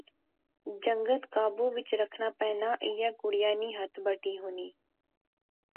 جنگت قابو وچ رکھنا پینا، ایہہ کڑیا نی ہتھ بٹی ہونی